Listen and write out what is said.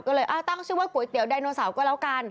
ก็เลยตั้งชื่อว่าก๋วยเตี๋ยไดโนเสาร์ก็แล้วกัน